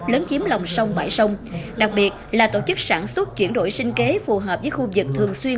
lớn chiếm lòng sông bãi sông đặc biệt là tổ chức sản xuất chuyển đổi sinh kế phù hợp với khu vực thường xuyên